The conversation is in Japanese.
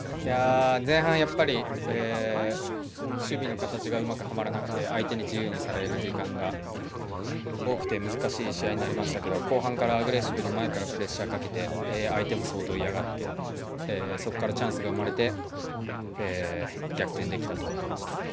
前半、守備の形がうまくはまらなくて相手に自由にされる時間が多くて難しい試合になりましたけど後半からアグレッシブに前からプレッシャーかけて相手も相当、嫌がってそこからチャンスが生まれて逆転できたと思います。